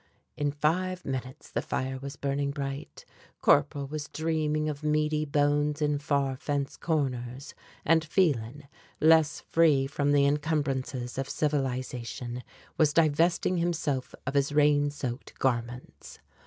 In five minutes the fire was burning bright, Corporal was dreaming of meaty bones in far fence corners, and Phelan, less free from the incumbrances of civilization, was divesting himself of his rain soaked garments.